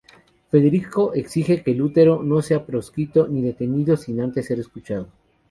Federico exige que Lutero no sea proscrito ni detenido sin ser antes escuchado.